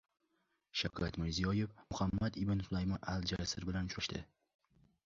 Shavkat Mirziyoev Muhammad ibn Sulaymon Al-Jassir bilan uchrashdi